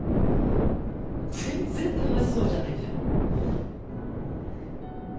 全然楽しそうじゃないじゃん。